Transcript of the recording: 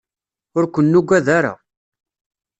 Ur ken-nuggad ara.